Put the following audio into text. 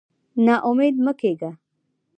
نا امېد مه کېږه.